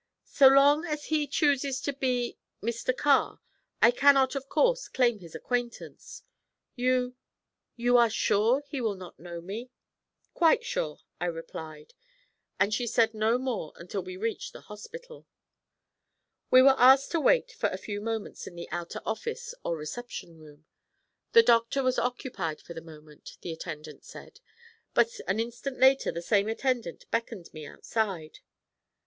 'So long as he chooses to be Mr. Carr, I cannot of course claim his acquaintance. You you are sure he will not know me?' 'Quite sure,' I replied; and she said no more until we had reached the hospital. We were asked to wait for a few moments in the outer office or reception room. The doctor was occupied for the moment, the attendant said, but an instant later the same attendant beckoned me outside.